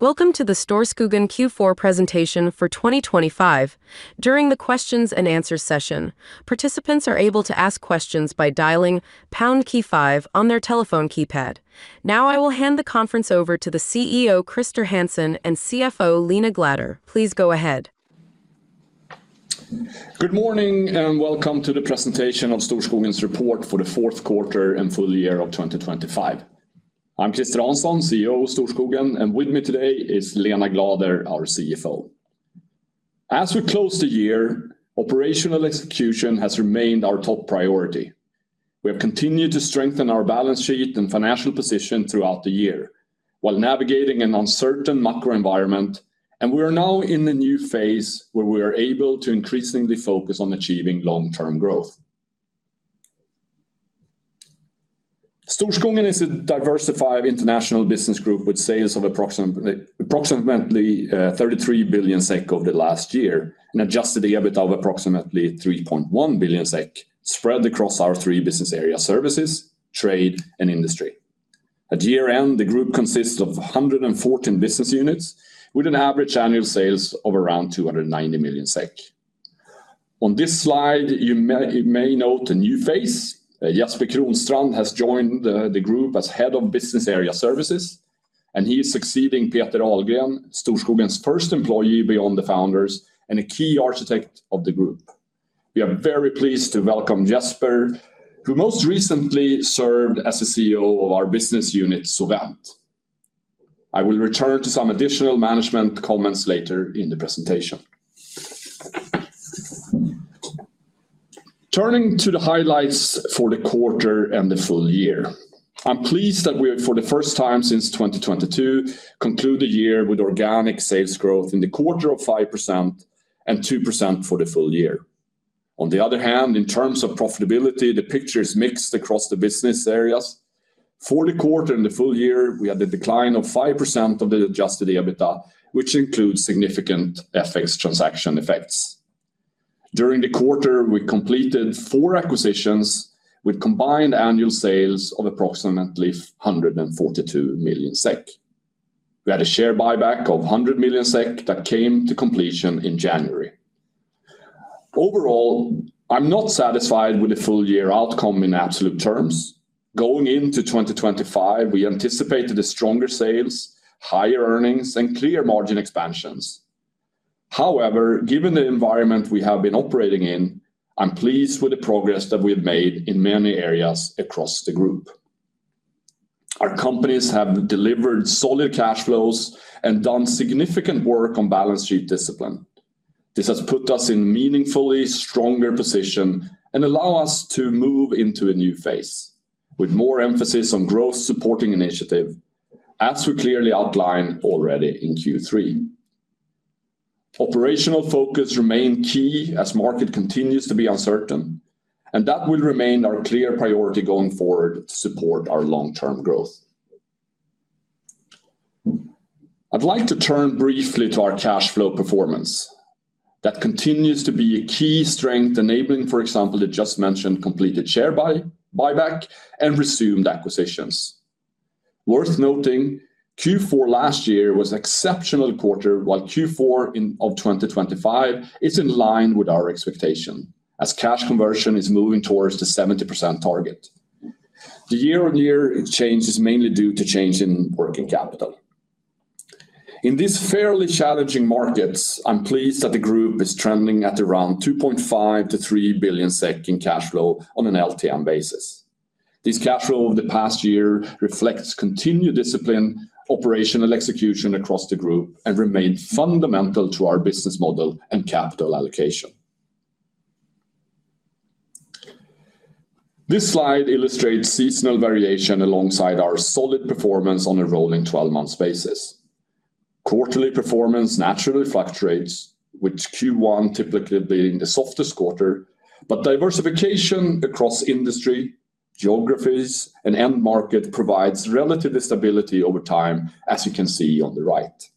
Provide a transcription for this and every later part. Welcome to the Storskogen Q4 presentation for 2025. During the questions and answers session, participants are able to ask questions by dialing pound key five on their telephone keypad. Now I will hand the conference over to the CEO Christer Hansson and CFO Lena Glader. Please go ahead. Good morning and welcome to the presentation of Storskogen's report for the fourth quarter and full year of 2025. I'm Christer Hansson, CEO of Storskogen, and with me today is Lena Glader, our CFO. As we close the year, operational execution has remained our top priority. We have continued to strengthen our balance sheet and financial position throughout the year while navigating an uncertain macro environment, and we are now in a new phase where we are able to increasingly focus on achieving long-term growth. Storskogen is a diversified international business group with sales of approximately 33 billion SEK over the last year and adjusted EBITDA of approximately 3.1 billion SEK spread across our three business areas: Services, Trade, and Industry. At year-end, the group consists of 114 business units with an average annual sales of around 290 million SEK. On this slide, you may note a new face. Jesper Kronstrand has joined the group as Head of Business Area Services, and he is succeeding Peter Ahlgren, Storskogen's first employee beyond the founders and a key architect of the group. We are very pleased to welcome Jesper, who most recently served as the CEO of our business unit, Sovant. I will return to some additional management comments later in the presentation. Turning to the highlights for the quarter and the full year, I'm pleased that we, for the first time since 2022, conclude the year with organic sales growth in the quarter of 5% and 2% for the full year. On the other hand, in terms of profitability, the picture is mixed across the business areas. For the quarter and the full year, we had a decline of 5% of the adjusted EBITDA, which includes significant FX transaction effects. During the quarter, we completed four acquisitions with combined annual sales of approximately 142 million SEK. We had a share buyback of 100 million SEK that came to completion in January. Overall, I'm not satisfied with the full year outcome in absolute terms. Going into 2025, we anticipated stronger sales, higher earnings, and clear margin expansions. However, given the environment we have been operating in, I'm pleased with the progress that we have made in many areas across the group. Our companies have delivered solid cash flows and done significant work on balance sheet discipline. This has put us in a meaningfully stronger position and allowed us to move into a new phase with more emphasis on growth-supporting initiatives, as we clearly outlined already in Q3. Operational focus remains key as market continues to be uncertain, and that will remain our clear priority going forward to support our long-term growth. I'd like to turn briefly to our cash flow performance. That continues to be a key strength, enabling, for example, the just-mentioned completed share buyback and resumed acquisitions. Worth noting, Q4 last year was an exceptional quarter, while Q4 of 2025 is in line with our expectation as cash conversion is moving towards the 70% target. The year-on-year change is mainly due to change in working capital. In these fairly challenging markets, I'm pleased that the group is trending at around 2.5 billion-3 billion SEK in cash flow on an LTM basis. This cash flow of the past year reflects continued discipline, operational execution across the group, and remains fundamental to our business model and capital allocation. This slide illustrates seasonal variation alongside our solid performance on a rolling 12-month basis. Quarterly performance naturally fluctuates, with Q1 typically being the softest quarter, but diversification across industry, geographies, and end market provides relative stability over time, as you can see on the right.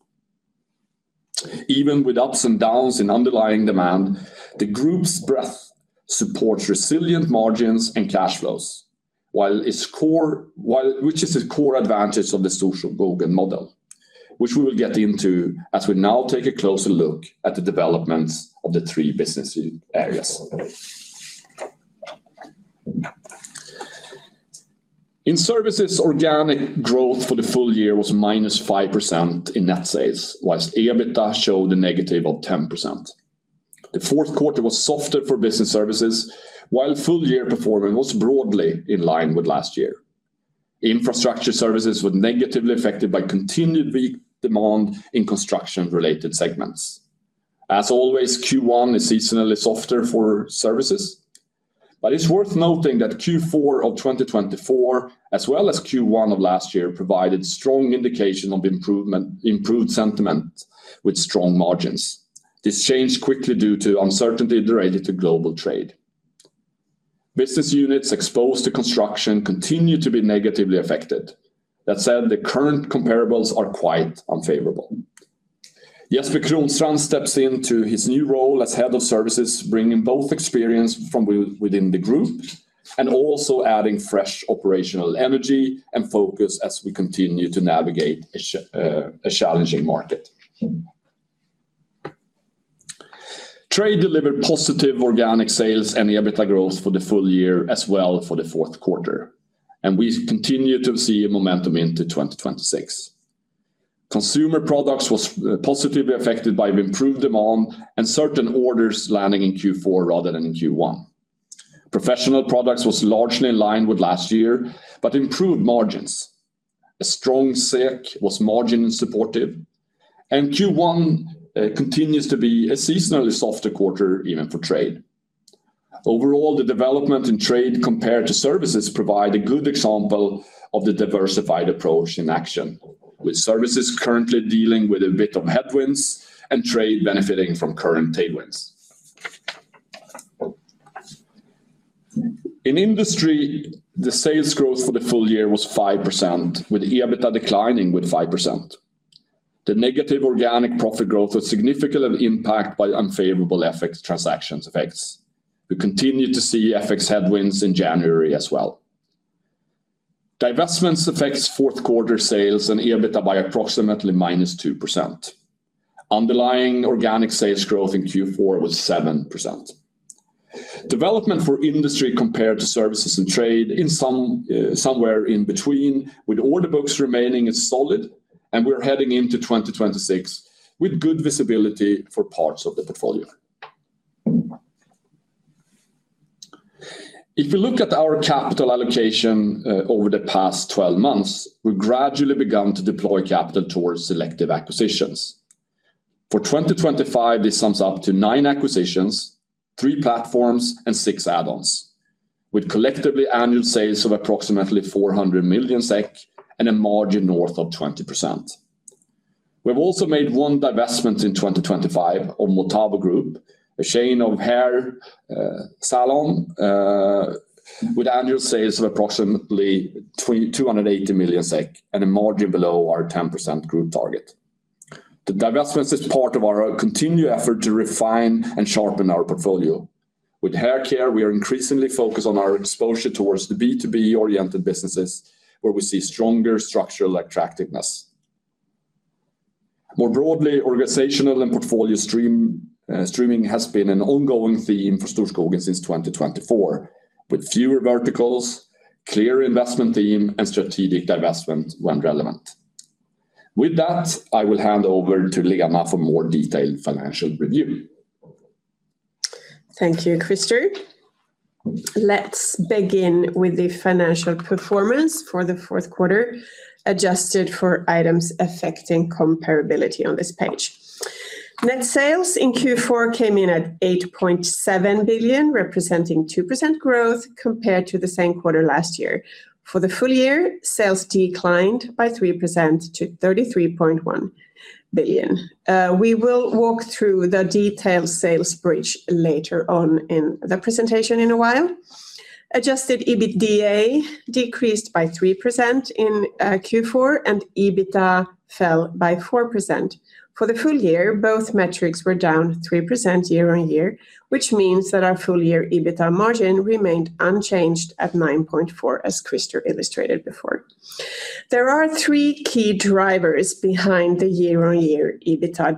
Even with ups and downs in underlying demand, the group's breadth supports resilient margins and cash flows, which is a core advantage of the Storskogen model, which we will get into as we now take a closer look at the developments of the three business areas. In services, organic growth for the full year was -5% in net sales, whilst EBITDA showed a negative of 10%. The fourth quarter was softer for business services, while full-year performance was broadly in line with last year. Infrastructure services were negatively affected by continued weak demand in construction-related segments. As always, Q1 is seasonally softer for services, but it's worth noting that Q4 of 2024, as well as Q1 of last year, provided strong indication of improved sentiment with strong margins. This changed quickly due to uncertainty related to global trade. Business units exposed to construction continue to be negatively affected. That said, the current comparables are quite unfavorable. Jesper Kronstrand steps into his new role as head of services, bringing both experience from within the group and also adding fresh operational energy and focus as we continue to navigate a challenging market. Trade delivered positive organic sales and EBITDA growth for the full year as well for the fourth quarter, and we continue to see momentum into 2026. Consumer products were positively affected by improved demand and certain orders landing in Q4 rather than in Q1. Professional products were largely in line with last year but improved margins. A strong SEK was margin-supportive, and Q1 continues to be a seasonally softer quarter even for trade. Overall, the development in trade compared to services provides a good example of the diversified approach in action, with services currently dealing with a bit of headwinds and trade benefiting from current tailwinds. In industry, the sales growth for the full year was 5%, with EBITDA declining with 5%. The negative organic profit growth was significantly impacted by unfavorable FX transactions effects. We continue to see FX headwinds in January as well. Divestments affected fourth-quarter sales and EBITDA by approximately -2%. Underlying organic sales growth in Q4 was 7%. Development for industry compared to services and trade is somewhere in between, with order books remaining solid, and we are heading into 2025 with good visibility for parts of the portfolio. If we look at our capital allocation over the past 12 months, we gradually began to deploy capital towards selective acquisitions. For 2025, this sums up to nine acquisitions, three platforms, and six add-ons, with collectively annual sales of approximately 400 million SEK and a margin north of 20%. We have also made one divestment in 2025 of Motaba Group, a chain of hair salons, with annual sales of approximately 280 million SEK and a margin below our 10% group target. The divestment is part of our continued effort to refine and sharpen our portfolio. With hair care, we are increasingly focused on our exposure towards the B2B-oriented businesses, where we see stronger structural attractiveness. More broadly, organizational and portfolio streamlining has been an ongoing theme for Storskogen since 2024, with fewer verticals, a clear investment theme, and strategic divestment when relevant. With that, I will hand over to Lena for more detailed financial review. Thank you, Christer. Let's begin with the financial performance for the fourth quarter adjusted for items affecting comparability on this page. Net sales in Q4 came in at 8.7 billion, representing 2% growth compared to the same quarter last year. For the full year, sales declined by 3% to 33.1 billion. We will walk through the detailed sales bridge later on in the presentation in a while. Adjusted EBITDA decreased by 3% in Q4, and EBITDA fell by 4%. For the full year, both metrics were down 3% year on year, which means that our full-year EBITDA margin remained unchanged at 9.4%, as Christer illustrated before. There are three key drivers behind the year-on-year EBITDA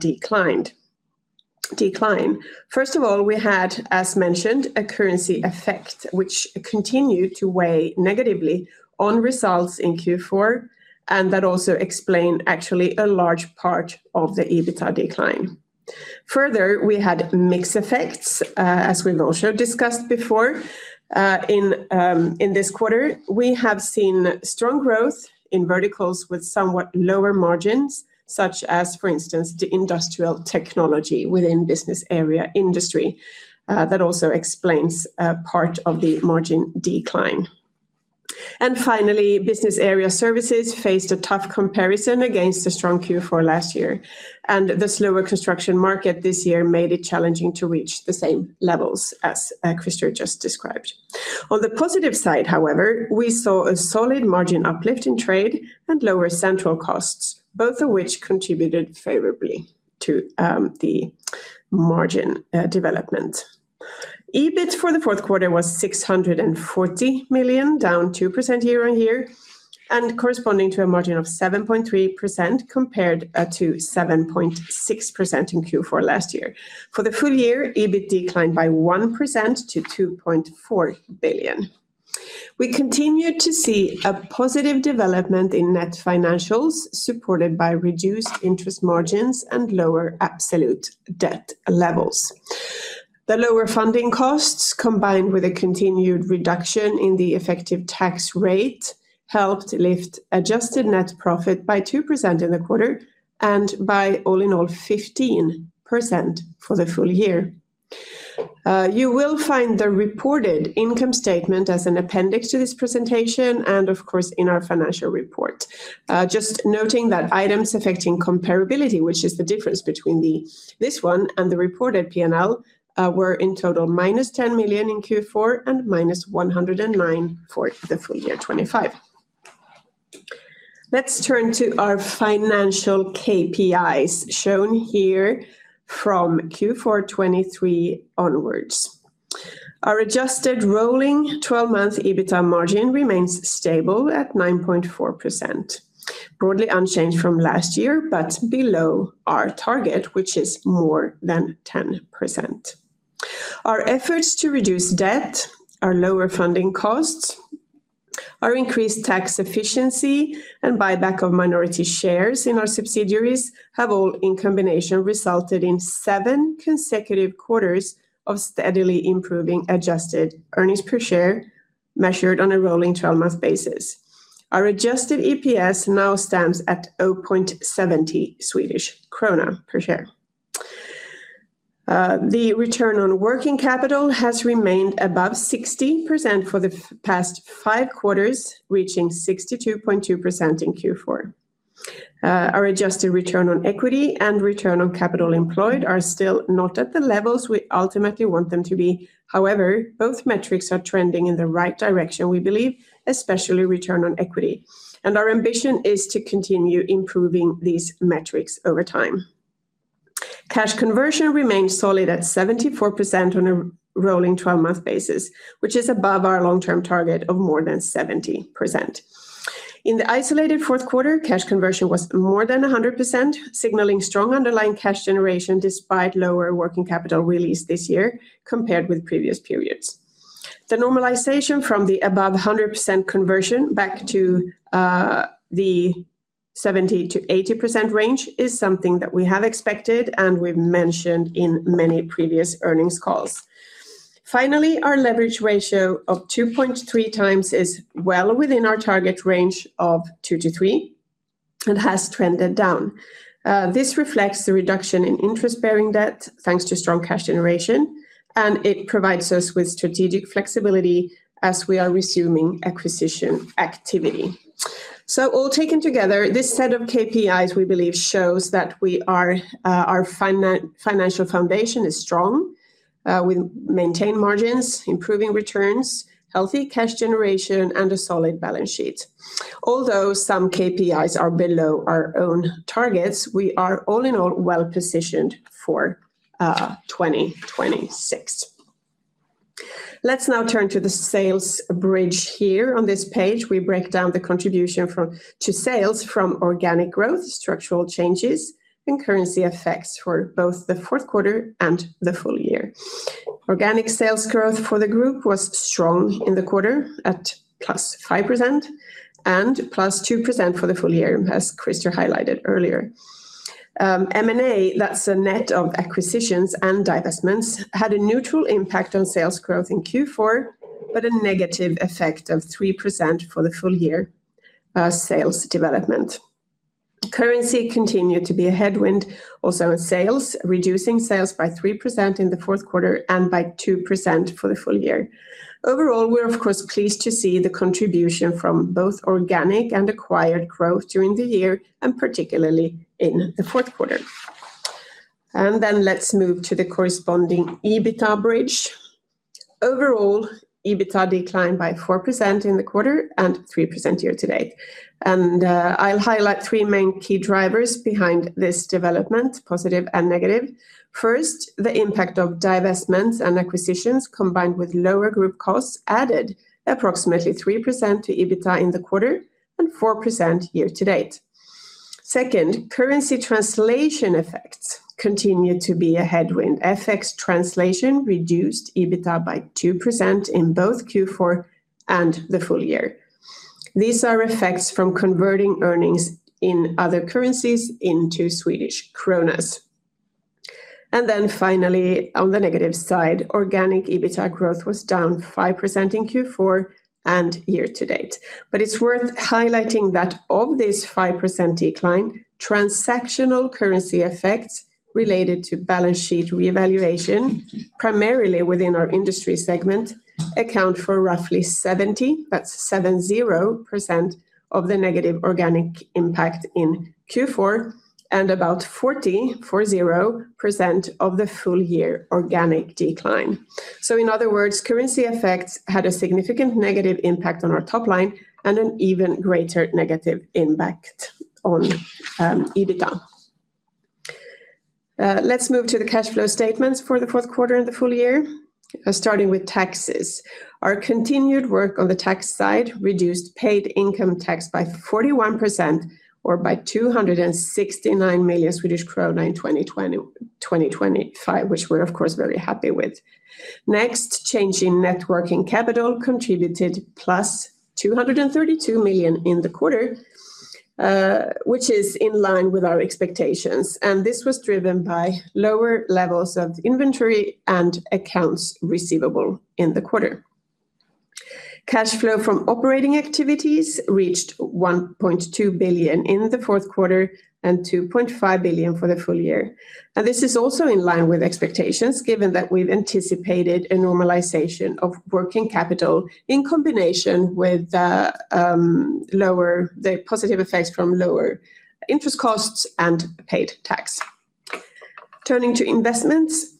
decline. First of all, we had, as mentioned, a currency effect, which continued to weigh negatively on results in Q4 and that also explained actually a large part of the EBITDA decline. Further, we had mixed effects, as we've also discussed before. In this quarter, we have seen strong growth in verticals with somewhat lower margins, such as, for instance, the industrial technology within Business Area Industry. That also explains part of the margin decline. Finally, Business Area Services faced a tough comparison against the strong Q4 last year, and the slower construction market this year made it challenging to reach the same levels as Christer just described. On the positive side, however, we saw a solid margin uplift in trade and lower central costs, both of which contributed favorably to the margin development. EBIT for the fourth quarter was 640 million, down 2% year on year, and corresponding to a margin of 7.3% compared to 7.6% in Q4 last year. For the full year, EBIT declined by 1% to 2.4 billion. We continued to see a positive development in net financials, supported by reduced interest margins and lower absolute debt levels. The lower funding costs, combined with a continued reduction in the effective tax rate, helped lift adjusted net profit by 2% in the quarter and by all in all 15% for the full year. You will find the reported income statement as an appendix to this presentation and, of course, in our financial report. Just noting that items affecting comparability, which is the difference between this one and the reported P&L, were in total -10 million in Q4 and -109 million for the full year 2025. Let's turn to our financial KPIs shown here from Q4 2023 onwards. Our adjusted rolling 12-month EBITDA margin remains stable at 9.4%, broadly unchanged from last year but below our target, which is more than 10%. Our efforts to reduce debt, our lower funding costs, our increased tax efficiency, and buyback of minority shares in our subsidiaries have all, in combination, resulted in seven consecutive quarters of steadily improving adjusted earnings per share measured on a rolling 12-month basis. Our adjusted EPS now stands at 0.70 Swedish krona per share. The return on working capital has remained above 60% for the past five quarters, reaching 62.2% in Q4. Our adjusted return on equity and return on capital employed are still not at the levels we ultimately want them to be. However, both metrics are trending in the right direction, we believe, especially return on equity. Our ambition is to continue improving these metrics over time. Cash conversion remained solid at 74% on a rolling 12-month basis, which is above our long-term target of more than 70%. In the isolated fourth quarter, cash conversion was more than 100%, signaling strong underlying cash generation despite lower working capital release this year compared with previous periods. The normalization from the above 100% conversion back to the 70%-80% range is something that we have expected and we've mentioned in many previous earnings calls. Finally, our leverage ratio of 2.3x is well within our target range of two-three and has trended down. This reflects the reduction in interest-bearing debt thanks to strong cash generation, and it provides us with strategic flexibility as we are resuming acquisition activity. So all taken together, this set of KPIs, we believe, shows that our financial foundation is strong, with maintained margins, improving returns, healthy cash generation, and a solid balance sheet. Although some KPIs are below our own targets, we are all in all well-positioned for 2026. Let's now turn to the sales bridge here on this page. We break down the contribution to sales from organic growth, structural changes, and currency effects for both the fourth quarter and the full year. Organic sales growth for the group was strong in the quarter at +5% and+2% for the full year, as Christer highlighted earlier. M&A, that's a net of acquisitions and divestments, had a neutral impact on sales growth in Q4 but a negative effect of 3% for the full year sales development. Currency continued to be a headwind, also in sales, reducing sales by 3% in the fourth quarter and by 2% for the full year. Overall, we're, of course, pleased to see the contribution from both organic and acquired growth during the year and particularly in the fourth quarter. Let's move to the corresponding EBITDA bridge. Overall, EBITDA declined by 4% in the quarter and 3% year to date. I'll highlight three main key drivers behind this development, positive and negative. First, the impact of divestments and acquisitions combined with lower group costs added approximately 3% to EBITDA in the quarter and 4% year to date. Second, currency translation effects continued to be a headwind. FX translation reduced EBITDA by 2% in both Q4 and the full year. These are effects from converting earnings in other currencies into Swedish kronas. Finally, on the negative side, organic EBITDA growth was down 5% in Q4 and year to date. But it's worth highlighting that of this 5% decline, transactional currency effects related to balance sheet reevaluation, primarily within our industry segment, account for roughly 70% of the negative organic impact in Q4 and about 40% of the full year organic decline. In other words, currency effects had a significant negative impact on our top line and an even greater negative impact on EBITDA. Let's move to the cash flow statements for the fourth quarter and the full year, starting with taxes. Our continued work on the tax side reduced paid income tax by 41% or by 269 million Swedish krona in 2025, which we're, of course, very happy with. Next, changing working capital contributed +232 million in the quarter, which is in line with our expectations. This was driven by lower levels of inventory and accounts receivable in the quarter. Cash flow from operating activities reached 1.2 billion in the fourth quarter and 2.5 billion for the full year. This is also in line with expectations given that we've anticipated a normalization of working capital in combination with the positive effects from lower interest costs and paid tax. Turning to investments,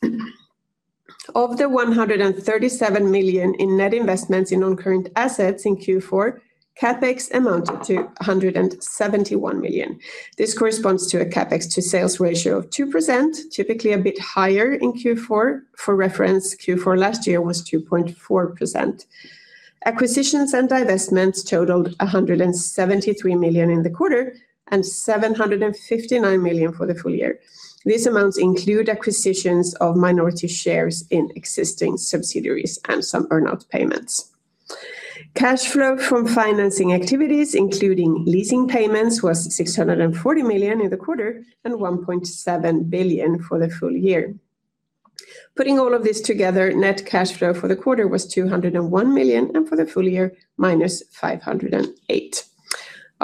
of the 137 million in net investments in non-current assets in Q4, CAPEX amounted to 171 million. This corresponds to a CAPEX to sales ratio of 2%, typically a bit higher in Q4. For reference, Q4 last year was 2.4%. Acquisitions and divestments totaled 173 million in the quarter and 759 million for the full year. These amounts include acquisitions of minority shares in existing subsidiaries and some earnout payments. Cash flow from financing activities, including leasing payments, was 640 million in the quarter and 1.7 billion for the full year. Putting all of this together, net cash flow for the quarter was 201 million and for the full year, -508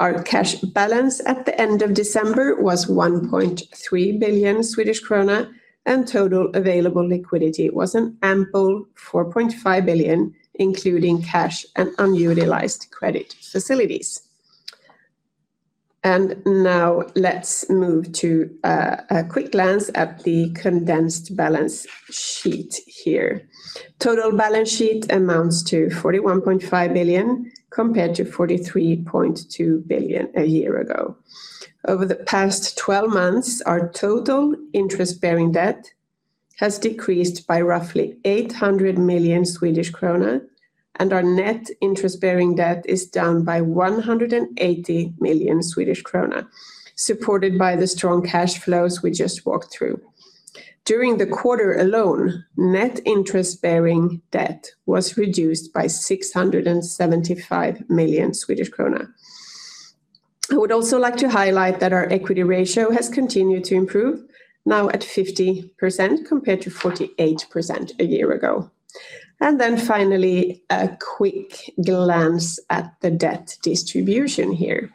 million. Our cash balance at the end of December was 1.3 billion Swedish krona, and total available liquidity was an ample 4.5 billion, including cash and unutilized credit facilities. Now let's move to a quick glance at the condensed balance sheet here. Total balance sheet amounts to 41.5 billion compared to 43.2 billion a year ago. Over the past 12 months, our total interest-bearing debt has decreased by roughly 800 million Swedish krona, and our net interest-bearing debt is down by 180 million Swedish krona, supported by the strong cash flows we just walked through. During the quarter alone, net interest-bearing debt was reduced by 675 million Swedish krona. I would also like to highlight that our equity ratio has continued to improve, now at 50% compared to 48% a year ago. Finally, a quick glance at the debt distribution here.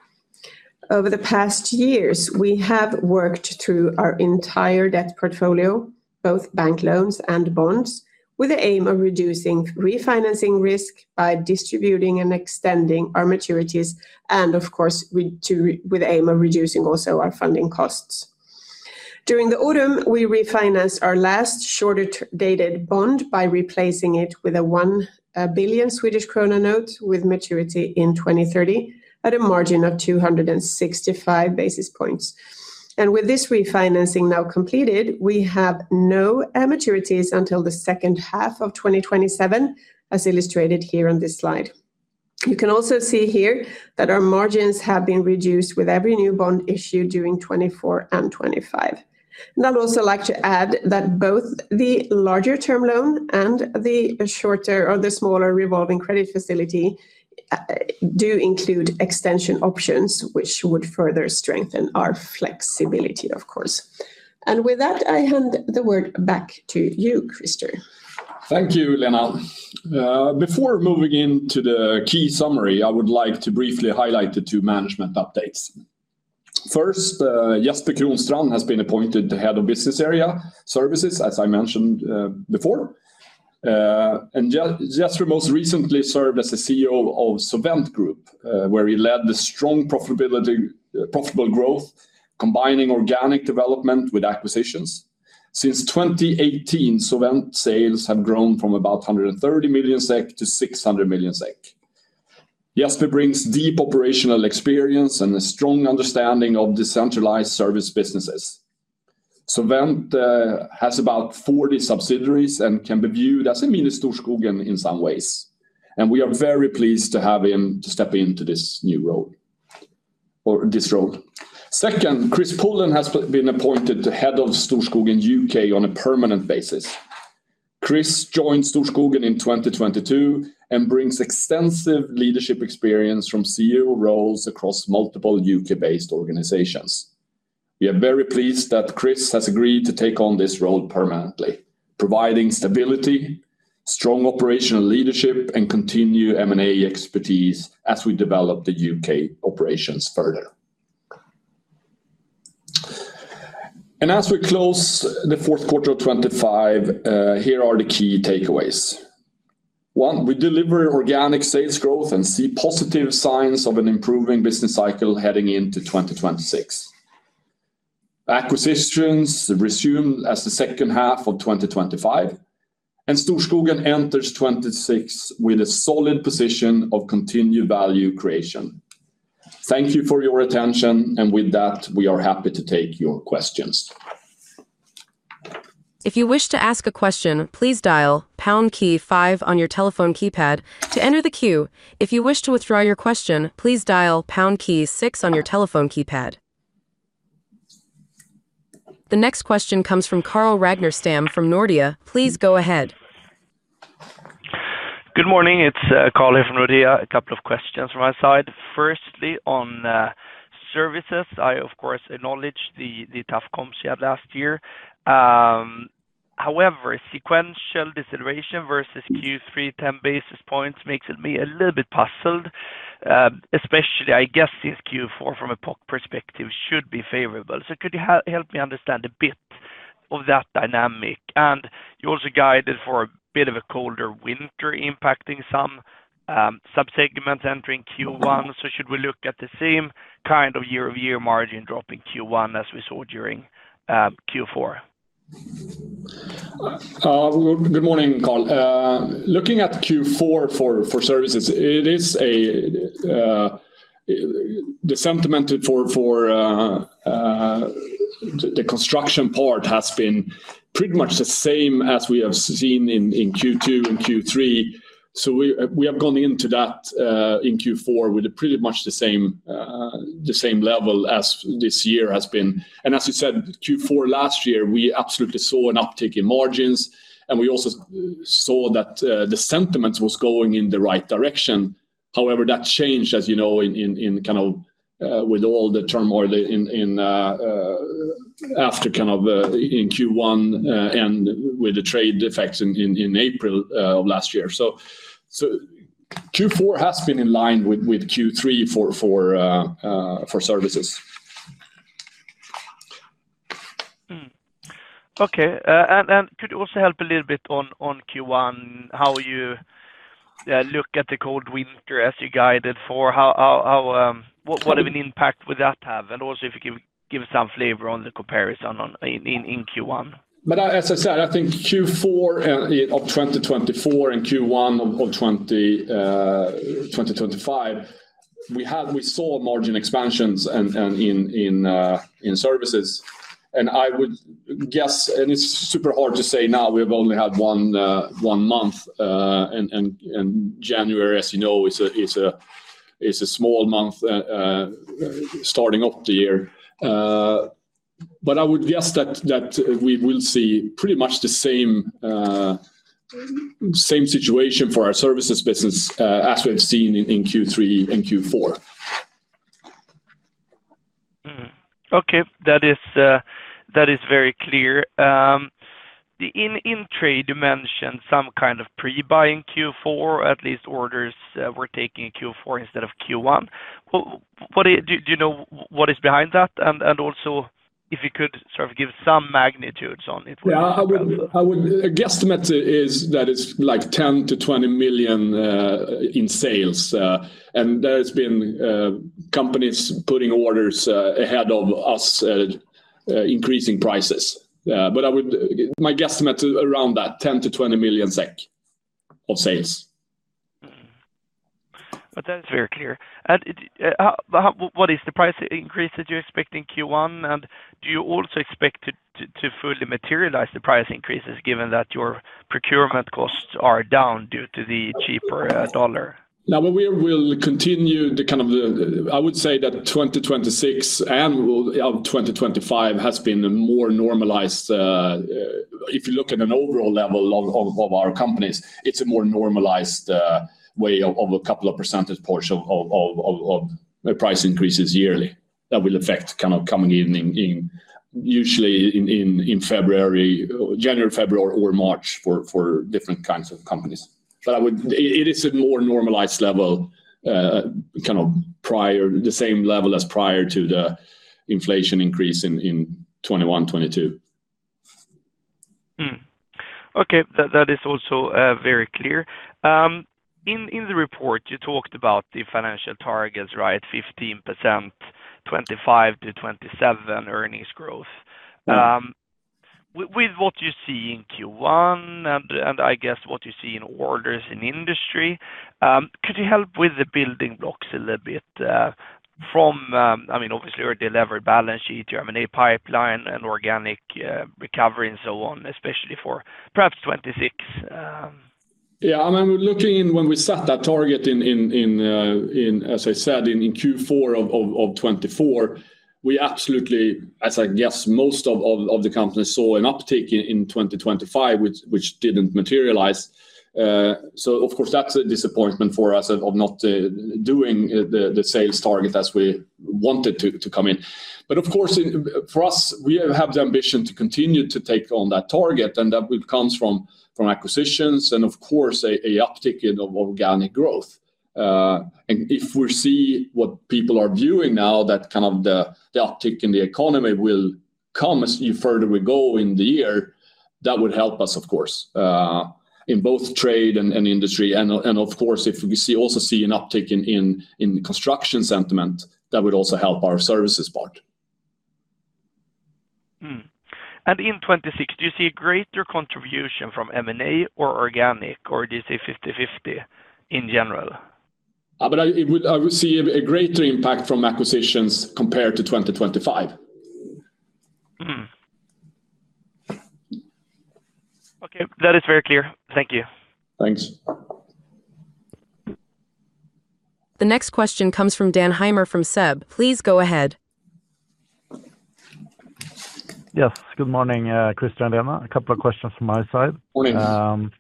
Over the past years, we have worked through our entire debt portfolio, both bank loans and bonds, with the aim of reducing refinancing risk by distributing and extending our maturities and, of course, with the aim of reducing also our funding costs. During the autumn, we refinanced our last shorter-dated bond by replacing it with a 1 billion Swedish krona note with maturity in 2030 at a margin of 265 basis points. With this refinancing now completed, we have no maturities until the second half of 2027, as illustrated here on this slide. You can also see here that our margins have been reduced with every new bond issued during 2024 and 2025. I'd also like to add that both the larger-term loan and the smaller revolving credit facility do include extension options, which would further strengthen our flexibility, of course. And with that, I hand the word back to you, Christer. Thank you, Lena. Before moving into the key summary, I would like to briefly highlight the two management updates. First, Jesper Kronstrand has been appointed the head of Business Area Services, as I mentioned before. Jesper most recently served as the CEO of Sovent Group, where he led the strong profitable growth, combining organic development with acquisitions. Since 2018, Sovent sales have grown from about 130 million SEK to 600 million SEK. Jesper brings deep operational experience and a strong understanding of decentralized service businesses. Sovent has about 40 subsidiaries and can be viewed as a mini Storskogen in some ways. We are very pleased to have him step into this role. Second, Chris Pullen has been appointed the head of Storskogen in U.K. on a permanent basis. Chris joined Storskogen in 2022 and brings extensive leadership experience from CEO roles across multiple UK-based organizations. We are very pleased that Chris has agreed to take on this role permanently, providing stability, strong operational leadership, and continued M&A expertise as we develop the U.K. operations further. As we close the fourth quarter of 2025, here are the key takeaways. One, we deliver organic sales growth and see positive signs of an improving business cycle heading into 2026. Acquisitions resume in the second half of 2025, and Storskogen enters 2026 with a solid position for continued value creation. Thank you for your attention, and with that, we are happy to take your questions. If you wish to ask a question, please dial pound key five on your telephone keypad to enter the queue. If you wish to withdraw your question, please dial pound key six on your telephone keypad. The next question comes from Carl Ragnarstam from Nordea. Please go ahead. Good morning. It's Carl here from Nordea. A couple of questions from my side. Firstly, on services, I, of course, acknowledge the tough comps you had last year. However, sequential deceleration versus Q3 10 basis points makes me a little bit puzzled, especially, I guess, since Q4 from a POC perspective should be favorable. So could you help me understand a bit of that dynamic? And you also guided for a bit of a colder winter impacting some subsegments entering Q1. So should we look at the same kind of year-over-year margin drop in Q1 as we saw during Q4? Good morning, Carl. Looking at Q4 for services, the sentiment for the construction part has been pretty much the same as we have seen in Q2 and Q3. We have gone into that in Q4 with pretty much the same level as this year has been. As you said, Q4 last year, we absolutely saw an uptick in margins, and we also saw that the sentiment was going in the right direction. However, that changed, as you know, with all the terms after Q1 and with the trade effects in April of last year. Q4 has been in line with Q3 for services. Okay. And could you also help a little bit on Q1, how you look at the cold winter as you guided for? What do you think the impact would have? And also if you could give some flavor on the comparison in Q1. As I said, I think Q4 of 2024 and Q1 of 2025, we saw margin expansions in services. I would guess, and it's super hard to say now, we've only had one month. January, as you know, is a small month starting off the year. I would guess that we will see pretty much the same situation for our services business as we've seen in Q3 and Q4. Okay. That is very clear. In trade, you mentioned some kind of pre-buy in Q4, at least orders were taken in Q4 instead of Q1. Do you know what is behind that? And also, if you could sort of give some magnitudes on it. A guesstimate is that it's like 10 million-20 million in sales. There have been companies putting orders ahead of us, increasing prices. But my guesstimate is around that, 10 million-20 million SEK of sales. But that is very clear. What is the price increase that you expect in Q1? And do you also expect to fully materialize the price increases given that your procurement costs are down due to the cheaper dollar? Now, we will continue the kind of I would say that 2026 and 2025 has been more normalized. If you look at an overall level of our companies, it's a more normalized way of a couple of percentage portion of price increases yearly that will affect kind of coming in, usually, in January, February, or March for different kinds of companies. But it is a more normalized level, kind of the same level as prior to the inflation increase in 2021, 2022. Okay. That is also very clear. In the report, you talked about the financial targets, right? 15%, 25%-27% earnings growth. With what you see in Q1 and, I guess, what you see in orders in industry, could you help with the building blocks a little bit from, I mean, obviously, your delivery balance sheet, your M&A pipeline, and organic recovery and so on, especially for perhaps 2026? I mean, looking at when we set that target in, as I said, in Q4 of 2024, we absolutely, as I guess most of the companies saw an uptick in 2025, which didn't materialize. Of course, that's a disappointment for us of not doing the sales target as we wanted to come in. But, of course, for us, we have the ambition to continue to take on that target, and that comes from acquisitions and, of course, an uptick in organic growth. If we see what people are viewing now, that kind of the uptick in the economy will come as further we go in the year, that would help us, of course, in both trade and industry. Of course, if we also see an uptick in construction sentiment, that would also help our services part. And in 2026, do you see a greater contribution from M&A or organic, or do you see 50/50 in general? But I would see a greater impact from acquisitions compared to 2025. Okay. That is very clear. Thank you. Thanks. The next question comes from Dan Heimer from SEB Please go ahead. Yes. Good morning, Christer and Lena. A couple of questions from my side. Good morning.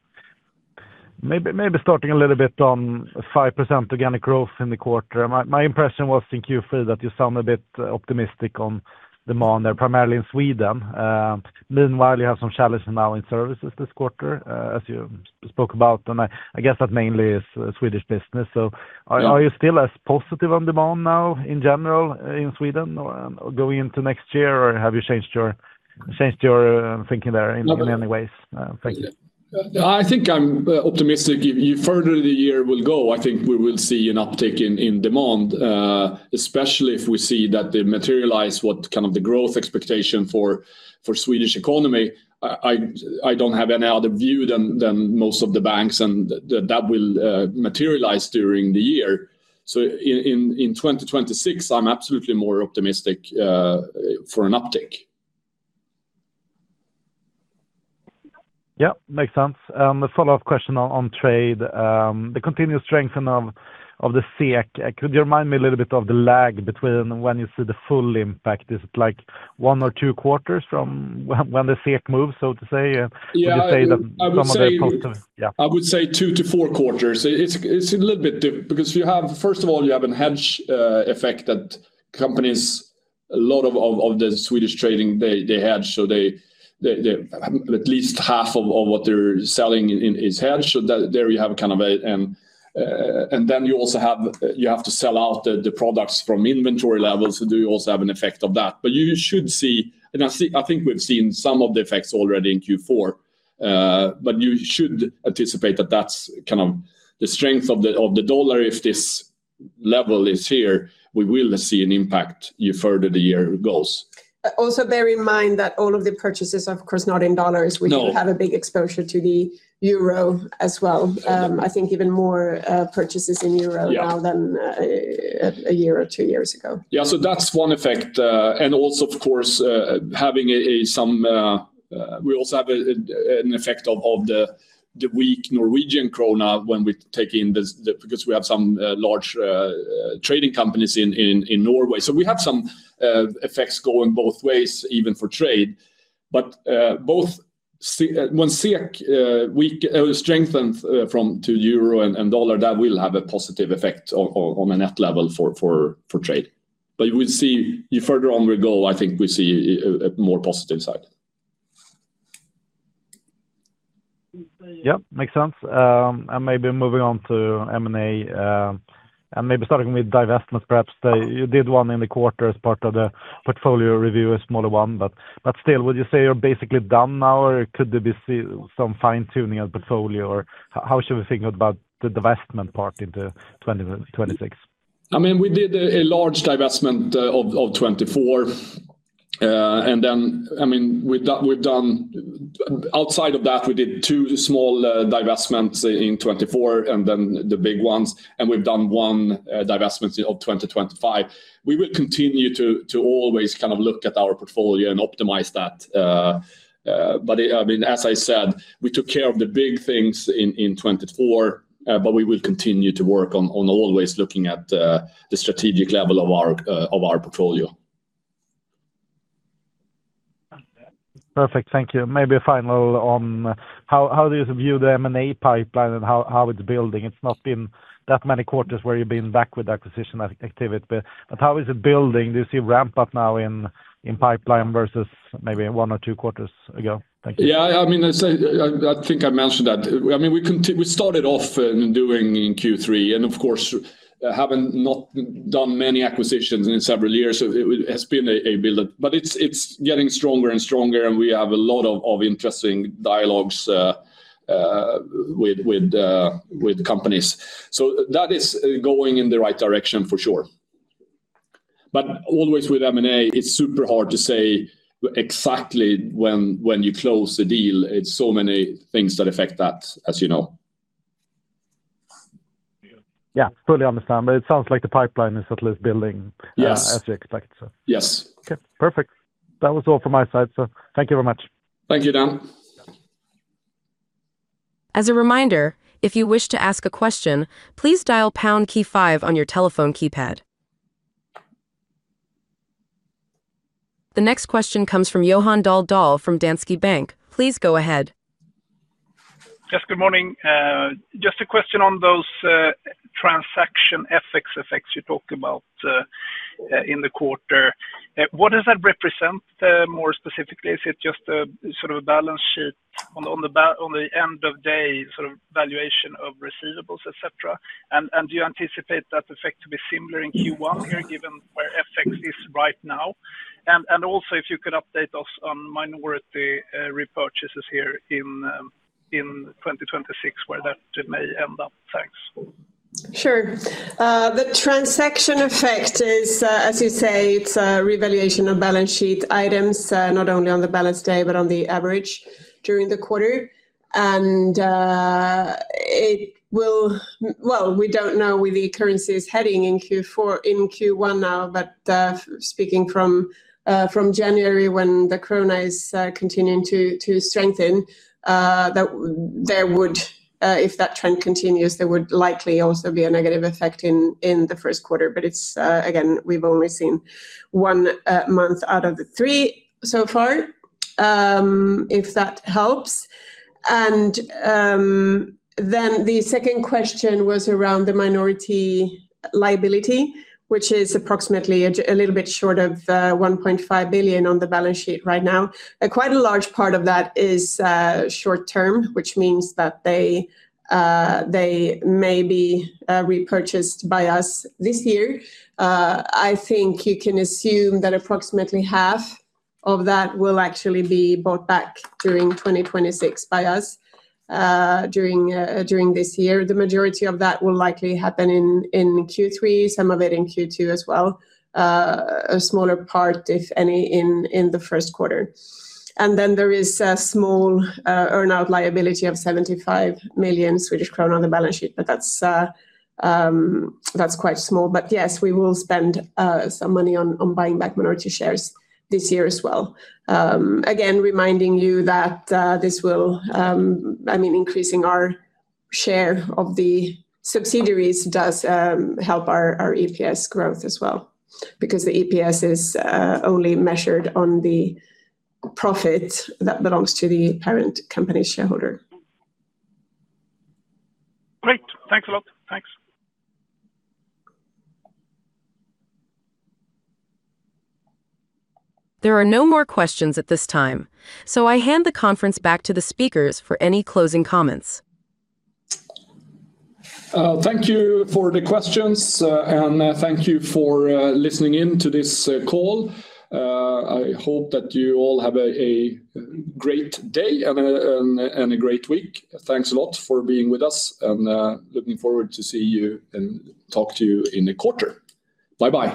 Maybe starting a little bit on 5% organic growth in the quarter. My impression was in Q3 that you sound a bit optimistic on demand there, primarily in Sweden. Meanwhile, you have some challenges now in services this quarter, as you spoke about. I guess that mainly is Swedish business. So are you still as positive on demand now in general in Sweden going into next year, or have you changed your thinking there in any ways? Thank you. I think I'm optimistic. Further into the year, I think we will see an uptick in demand, especially if we see that materialize what kind of growth expectation for the Swedish economy. I don't have any other view than most of the banks, and that will materialize during the year. So in 2026, I'm absolutely more optimistic for an uptick. Yeah. Makes sense. And follow-up question on trade. The continued strengthening of the SEK, could you remind me a little bit of the lag between when you see the full impact? Is it like one or two quarters from when the SEK moves, so to say? Could you say that some of the positive? Yeah. I would say two to four quarters. It's a little bit different because first of all, you have a hedge effect that companies, a lot of the Swedish trading, they hedge. So at least half of what they're selling is hedged. So there you have kind of a... and then you also have, you have to sell out the products from inventory levels. So you also have an effect of that. But you should see, and I think we've seen some of the effects already in Q4. But you should anticipate that that's kind of the strength of the dollar. If this level is here, we will see an impact further the year goes. Also bear in mind that all of the purchases, of course, are not in dollars. We do have a big exposure to the euro as well. I think even more purchases in euro now than a year or two years ago. So that's one effect. Also, of course, having some we also have an effect of the weak Norwegian krona when we take in the because we have some large trading companies in Norway. So we have some effects going both ways, even for trade. But when SEK strengthens to euro and dollar, that will have a positive effect on a net level for trade. But you will see further on we go, I think we see a more positive side. Yeah. Makes sense. Maybe moving on to M&A and maybe starting with divestments, perhaps. You did one in the quarter as part of the portfolio review, a smaller one. But still, would you say you're basically done now, or could there be some fine-tuning of the portfolio? Or how should we think about the divestment part into 2026? I mean, we did a large divestment of 2024. And then, I mean, we've done outside of that, we did two small divestments in 2024 and then the big ones. And we've done one divestment of 2025. We will continue to always kind of look at our portfolio and optimize that. But I mean, as I said, we took care of the big things in 2024, but we will continue to work on always looking at the strategic level of our portfolio. Perfect. Thank you. Maybe a final question on how do you view the M&A pipeline and how it's building? It's not been that many quarters where you've been back with acquisition activity. But how is it building? Do you see a ramp-up now in pipeline versus maybe one or two quarters ago? Thank you. Yeah. I mean, I think I mentioned that. I mean, we started off doing in Q3 and, of course, haven't done many acquisitions in several years. So it has been a buildup. But it's getting stronger and stronger, and we have a lot of interesting dialogues with companies. So that is going in the right direction, for sure. But always with M&A, it's super hard to say exactly when you close the deal. It's so many things that affect that, as you know. Yeah. Fully understand. But it sounds like the pipeline is at least building as you expect, so. Yes. Perfect. That was all from my side. Thank you very much. Thank you, Dan. As a reminder, if you wish to ask a question, please dial pound key five on your telephone keypad. The next question comes from Johan Dahl from Danske Bank. Please go ahead. Yes. Good morning. Just a question on those transaction FX effects you talked about in the quarter. What does that represent more specifically? Is it just sort of a balance sheet on the end-of-day sort of valuation of receivables, etc.? Do you anticipate that effect to be similar in Q1 here given where FX is right now? Also, if you could update us on minority repurchases here in 2026, where that may end up. Thanks. Sure. The transaction effect is, as you say, it's a revaluation of balance sheet items, not only on the balance day, but on the average during the quarter. We don't know where the currency is heading in Q1 now. But speaking from January, when the krona is continuing to strengthen, if that trend continues, there would likely also be a negative effect in the first quarter. But again, we've only seen one month out of the three so far, if that helps. The second question was around the minority liability, which is approximately a little bit short of 1.5 billion on the balance sheet right now. Quite a large part of that is short-term, which means that they may be repurchased by us this year. I think you can assume that approximately half of that will actually be bought back during 2026 by us during this year. The majority of that will likely happen in Q3, some of it in Q2 as well, a smaller part, if any, in the first quarter. And then there is a small earnout liability of 75 million Swedish crown on the balance sheet, but that's quite small. But yes, we will spend some money on buying back minority shares this year as well. Again, reminding you that this will, I mean, increasing our share of the subsidiaries does help our EPS growth as well because the EPS is only measured on the profit that belongs to the parent company's shareholder. Great. Thanks a lot. Thanks. There are no more questions at this time, so I hand the conference back to the speakers for any closing comments. Thank you for the questions, and thank you for listening in to this call. I hope that you all have a great day and a great week. Thanks a lot for being with us, and looking forward to seeing you and talking to you in a quarter. Bye-bye.